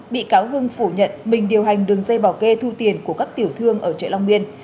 bị cáo hưng phủ nhận mình điều hành đường dây bỏ ghê thu tiền của các tiểu thương ở trại long biên